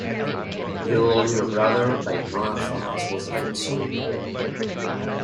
"Yo Little Brother" by Nolan Thomas was the first song.